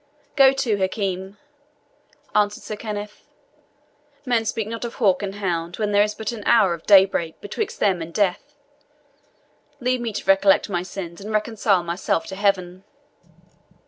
"Go to, Hakim," answered Sir Kenneth; "men speak not of hawk and hound when there is but an hour of day breaking betwixt them and death. Leave me to recollect my sins, and reconcile myself to Heaven."